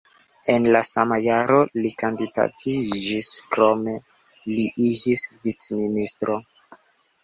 En la sama jaro li kandidatiĝis, krome li iĝis vicministro.